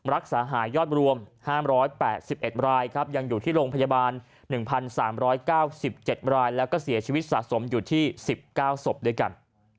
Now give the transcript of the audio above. รักษาหายยอดรวม๕๘๑รายครับยังอยู่ที่โรงพยาบาล๑๓๙๗รายแล้วก็เสียชีวิตสะสมอยู่ที่๑๙ศพด้วยกัน